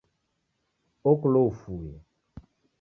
Okulwa ufue